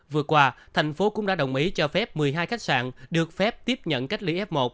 vừa qua thành phố cũng đã đồng ý cho phép một mươi hai khách sạn được phép tiếp nhận cách ly f một